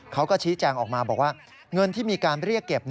เขาก็ชี้แจงออกมาบอกว่าเงินที่มีการเรียกเก็บ